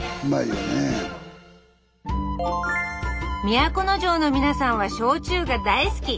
都城の皆さんは焼酎が大好き。